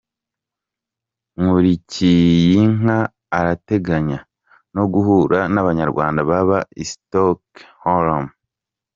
Nkulikiyinka arateganya no guhura n’Abanyarwanda baba i Stockholm.